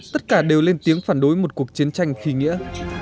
tất cả đều lên tiếng phản đối một cuộc chiến tranh khí nghĩa